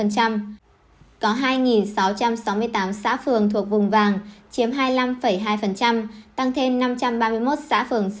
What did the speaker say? có hai sáu trăm sáu mươi tám xã phường thuộc vùng vàng chiếm hai mươi năm hai tăng thêm năm trăm ba mươi một xã phường